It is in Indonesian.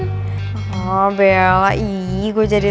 ntar lo juga tau